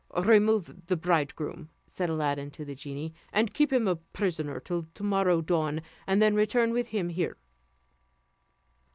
"Remove the bridegroom," said Aladdin to the genie, "and keep him a prisoner till to morrow dawn, and then return with him here."